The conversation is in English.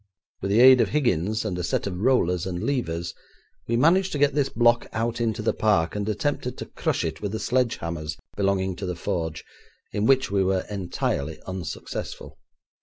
With the aid of Higgins, and a set of rollers and levers, we managed to get this block out into the park, and attempted to crush it with the sledge hammers belonging to the forge, in which we were entirely unsuccessful.